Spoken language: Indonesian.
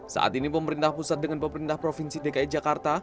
saat ini pemerintah pusat dengan pemerintah provinsi dki jakarta